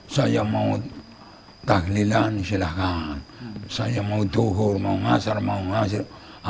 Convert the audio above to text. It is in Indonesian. saya mau tahlilan silahkan saya mau duhur mau ngajar mau ngajar